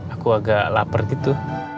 aku agak lapar gitu